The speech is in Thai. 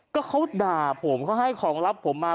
ก็เขาด่าผมเขาให้ของลับผมมา